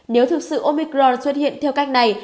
nếu thực sự omicron xuất hiện theo cách này